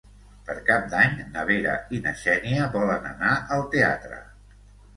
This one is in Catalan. Per Cap d'Any na Vera i na Xènia volen anar al teatre.